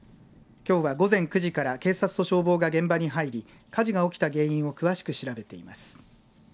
きょうは午前９時から警察と消防が現場に入り火事が起きた原因を詳しく調べています。